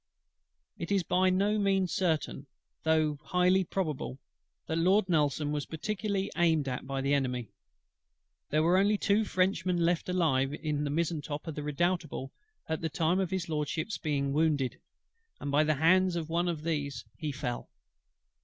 It is by no means certain, though highly probable, that Lord NELSON was particularly aimed at by the Enemy. There were only two Frenchmen left alive in the mizen top of the Redoutable at the time of His LORDSHIP'S being wounded, and by the hands of one of these he fell.